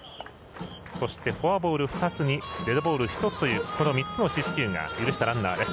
そしてフォアボール２つにデッドボール２つというのがこの３つの四死球が許したランナーです。